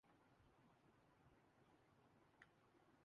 عمران خان کے متعلق سوال کرنا مہنگا پڑگیا